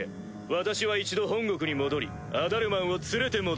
私は一度本国に戻りアダルマンを連れて戻る。